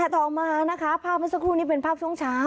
ต่อมานะคะภาพเมื่อสักครู่นี้เป็นภาพช่วงเช้า